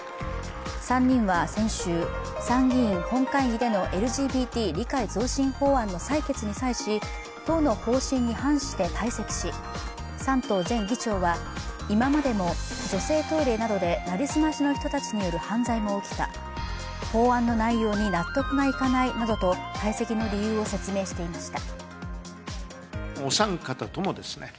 ３人は先週、参議院本会議でのＬＧＢＴ理解増進法案の採決に際し党の方針に反して退席し山東前議長は、今までも女性トイレなどで成り済ましの人たちによる犯罪が起きた、法案の内容に納得がいかないなどと退席の理由を説明していました。